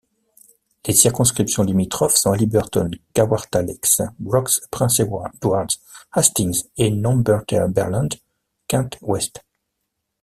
Les circonscriptions limitrophes sont Haliburton—Kawartha Lakes—Brock, Prince Edward—Hastings et Northumberland—Quinte Ouest.